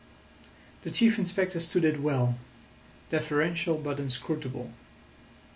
The Chief Inspector stood it well, deferential but inscrutable.